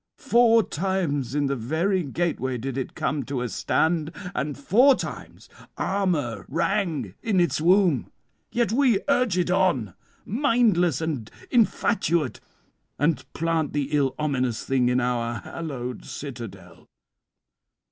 four times in the very gateway did it come to a stand, and four times armour rang in its womb. Yet we urge it on, mindless and infatuate, and plant the ill ominous thing in our hallowed citadel.